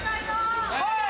はい！